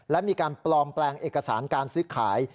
และมีการปลอมแปลงเอกสารการซื้อขาย